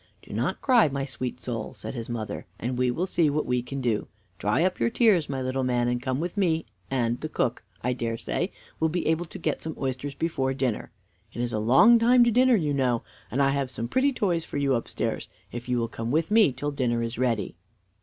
"Do not cry, my sweet soul," said his mother, "and we will see what we can do. Dry up your tears, my little man, and come with me, and, the cook, I dare say, will be able to get some oysters before dinner. It is a long time to dinner, you know, and I have some pretty toys for you upstairs, if you will come with me till dinner is ready."